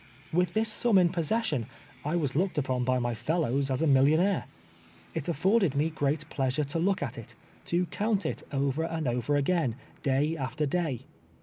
"W^'ith this sum in possession, I was looked upon bj my fellows as a millionaire. It ailbrded me great pleasure to look at it — to count it over and over again, day after day.